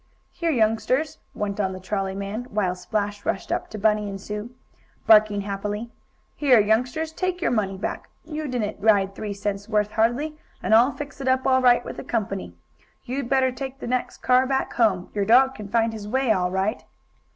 "Here, youngsters," went on the trolley man, while Splash rushed up to Bunny and Sue, barking happily, "here, youngsters, take your money back. You didn't ride three cents' worth, hardly, and I'll fix it up all right with the company. You'd better take the next car back home. Your dog can find his way all right."